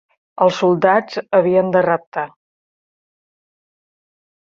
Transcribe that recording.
Els soldats havien de reptar.